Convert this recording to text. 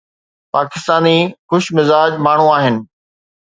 پاڪستاني خوش مزاج ماڻهو آهن.